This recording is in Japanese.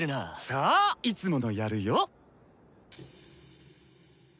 さぁいつものやるヨ。